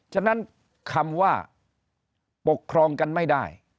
ฉะนั้นคำว่าปกครองกันไม่ได้